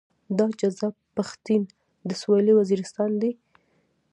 دا جذاب پښتين د سويلي وزيرستان دی.